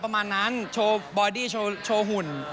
ประมาณนั้นโชว์บอดี้โชว์หุ่น